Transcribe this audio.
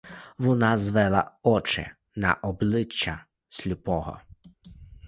Вона звела очі на обличчя сліпого.